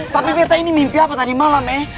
tapi peta ini mimpi apa tadi malam eh